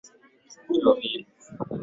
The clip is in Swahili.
Nilipata mayai lakini yalikuwa ghali.